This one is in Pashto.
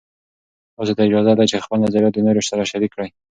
تاسې ته اجازه ده چې خپل نظریات د نورو سره شریک کړئ.